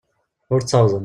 Ur ttawḍen.